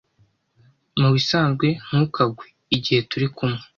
Mubisanzwe ntukagwe, igihe turikumwe